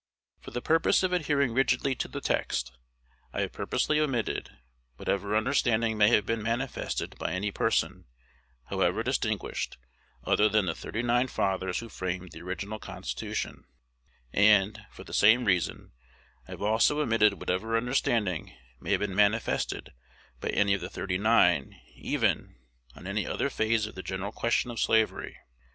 For the purpose of adhering rigidly to the text, I have purposely omitted whatever understanding may have been manifested by any person, however distinguished, other than the "thirty nine" fathers who framed the original Constitution; and, for the same reason, I have also omitted whatever understanding may have been manifested by any of the "thirty nine" even, on any other phase of the general question of slavery.